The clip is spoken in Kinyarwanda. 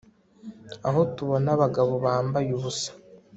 Aho tubona abagabo bambaye ubusa